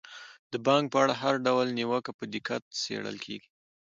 د بانک په اړه هر ډول نیوکه په دقت څیړل کیږي.